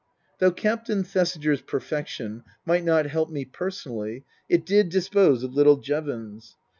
Though Captain Thesiger's perfection might not help me personally, it did dispose of little Jevons.